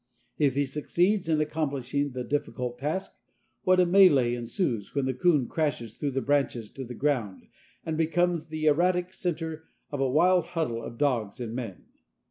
If he succeeds in accomplishing the difficult task, what a mêlée ensues when the coon crashes through the branches to the ground and becomes the erratic centre of the wild huddle of dogs and men.